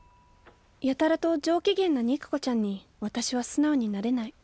やたらと上機嫌な肉子ちゃんに私は素直になれない。